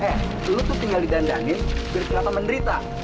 eh lu tuh tinggal didandangin biar ternyata menderita